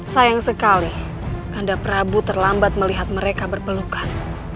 sayang sekali karena prabu terlambat melihat mereka berpelukan